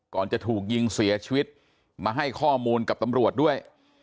ก่อนจะถูกยิงเสียชีวิตมาให้ข้อมูลกับตำรวจด้วย